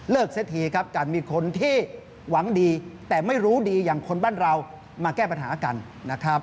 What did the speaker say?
เลิกเศรษฐีการมีคนที่หวังดีแต่ไม่รู้ดีอย่างคนบ้านเรามาแก้ปัญหากัน